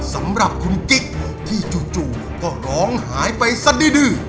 สำหรับคุณกิ๊กที่จู่ก็ร้องหายไปซะดื้อ